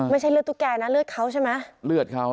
ไม่ใช่เลือดตุ๊กแก่นะเลือดเค้าใช่มั้ย